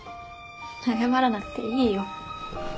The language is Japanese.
謝らなくていいよ。